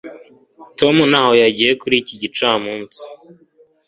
tom ntaho yagiye kuri iki gicamunsi